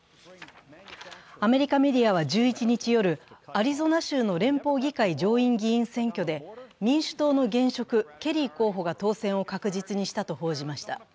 アメリカメディアは１１日夜、アリゾナ州の連邦議会上院議員選挙で民主党の現職・ケリー候補が当選を確実にしたと報じました。